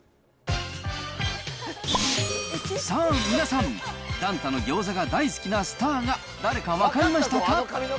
さあ皆さん、壇太のギョーザが大好きなスターが誰か分かりましたか？